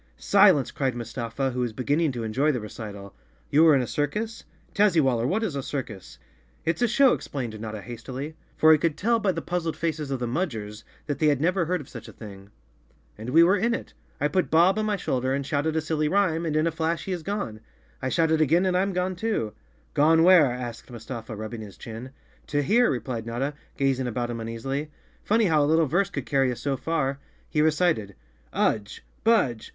"Silence!" cried Mustafa, who was beginning to en¬ joy the recital. "You were in a circus? Tazzywaller, what is a circus?" "It's a show," explained Notta hastily, for he could tell by the puzzled faces of the Mudgers that they had 48 A LITTLE BENT FAIRY MAN HELD HIS LANTERN CLOSE TO KoTTa'S FACE Chapter 5' _ Chapter Four never heard of such a thing. "And we were in it. I put Bob on my shoulder and shouted a silly rhyme, and in a flash he is gone. I shout it again and I'm gone too!" "Gone where?" asked Mustafa, rubbing his chin. "To here," replied Notta, gazing about him uneas¬ ily. "Funny how a little verse could carry us so far. He recited: " Udge! Budge!